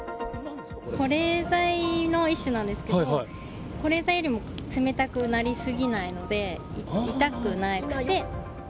保冷剤の一種なんですけど、保冷剤よりも冷たくなり過ぎないので、痛くなくて。